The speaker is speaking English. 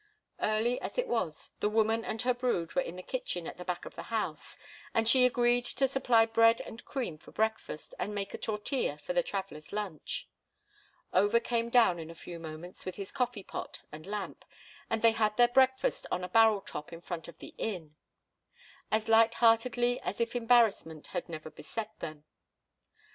Early as it was, the woman and her brood were in the kitchen at the back of the house, and she agreed to supply bread and cream for breakfast and make a tortilla for the travellers' lunch. Over came down in a few moments with his coffee pot and lamp, and they had their breakfast on a barrel top in front of the inn, as light heartedly as if embarrassment had never beset them.